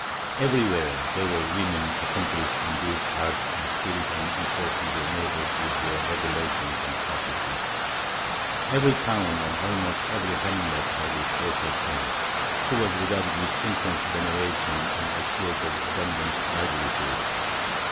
Everywhere there were women accomplished in these arts and skilled in impressing their neighbors with their revelations and prophecies; every town and almost every hamlet had its local saint, who was regarded with intense veneration and assured of an abundant livelihood.